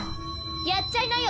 やっちゃいなよ